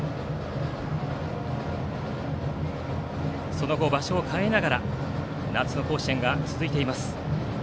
その後、場所を変えながら夏の甲子園が続いています。